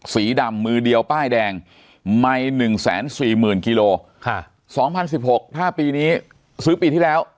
สีดำมือเดียวป้ายแดงไมก์๑๔๐๐๐๐กิโลทราบค่ะสองพันสิบหกถ้าปีนี้ซื้อปีที่แล้ว